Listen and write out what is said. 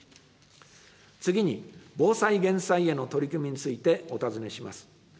次に防災・減災への取り組みについてお尋ねします。